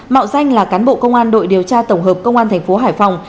mạo danh là cán bộ công an đội điều tra tổng hợp công an tp hải phòng